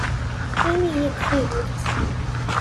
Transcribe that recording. Ini-yi-d tidet.